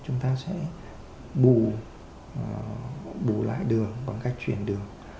chúng ta sẽ bù lại đường bằng cách chuyển đường